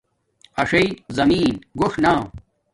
اݽݵ زمین گوݽ نا